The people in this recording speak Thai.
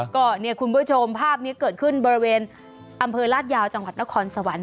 ก็เนี่ยคุณผู้ชมภาพนี้เกิดขึ้นบริเวณอำเภอลาดยาวจังหวัดนครสวรรค์